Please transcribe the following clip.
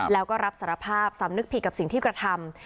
แล้วก็รับสารภาพสำนึกผิดกับสิ่งที่กระทำ